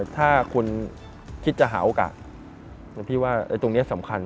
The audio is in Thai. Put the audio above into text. ถ้าคุณคิดจะหาโอกาสหลวงพี่ว่าตรงนี้สำคัญ